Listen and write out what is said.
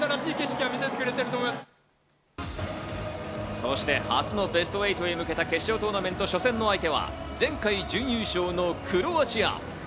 そして初のベスト８へ向けた決勝トーナメント初戦の相手は前回準優勝のクロアチア。